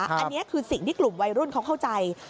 อันนี้คือสิ่งที่กลุ่มวัยรุ่นเขาเข้าใจ